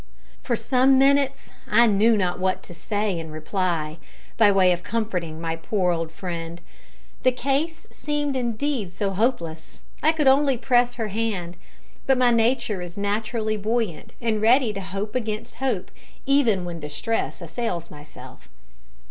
For some minutes I knew not what to say in reply, by way of comforting my poor old friend. The case seemed indeed so hopeless. I could only press her hand. But my nature is naturally buoyant, and ready to hope against hope, even when distress assails myself.